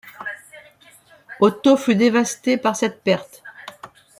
Otto fut dévasté par cette perte.